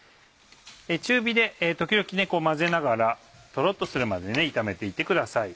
中火で時々こう混ぜながらトロっとするまで炒めて行ってください。